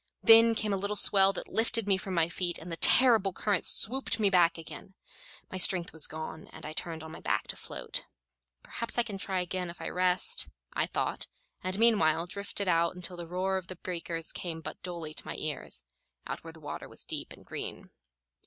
Then came a little swell that lifted me from my feet, and the terrible current swooped me back again. My strength was gone, and I turned on my back to float. "Perhaps I can try again if I rest," I thought, and meanwhile drifted out until the roar of the breakers came but dully to my ears out where the water was deep and green.